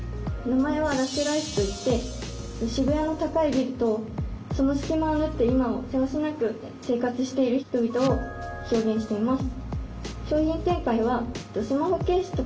名前は「ＲｕｓｈＬｉｆｅ」といって渋谷の高いビルとその隙間を縫って今をせわしなく生活している人々を表現しています。